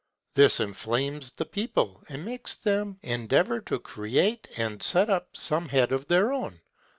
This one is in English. This inflames the people, and makes them endeavor to create and set up some head of their own.